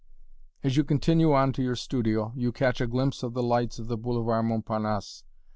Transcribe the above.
As you continue on to your studio, you catch a glimpse of the lights of the Boulevard Montparnasse.